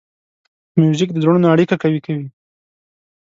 موزیک د زړونو اړیکه قوي کوي.